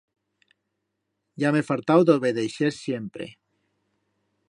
Ya m'he fartau d'obedeixer siempre.